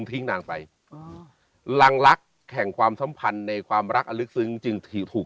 ที่นางใบหลังลักษณ์แข่งความสัมผันในความลักอลึกซึ้งถูก